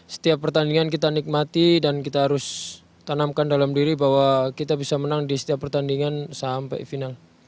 setiap pertandingan kita nikmati dan kita harus tanamkan dalam diri bahwa kita bisa menang di setiap pertandingan sampai final